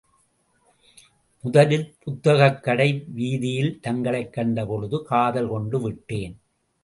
முதலில் புத்தகக் கடை வீதியில் தங்களைக் கண்ட பொழுதே காதல் கொண்டு விட்டேன்.